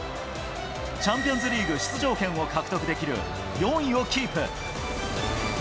チャンピオンズリーグ出場権を獲得できる４位をキープ。